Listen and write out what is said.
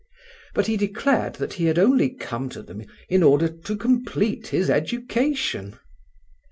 But he declared that he had only come to them in order to complete his education!